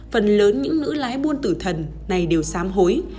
phần lớn những nữ lái buôn tử thần này đều xám hối